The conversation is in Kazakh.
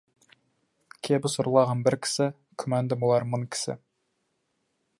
Кебіс ұрлаған бір кісі, күмәнді болар мың кісі.